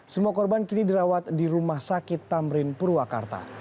semua korban kini dirawat di rumah sakit tamrin purwakarta